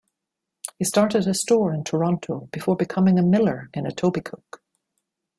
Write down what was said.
He started a store in Toronto before becoming a miller in Etobicoke.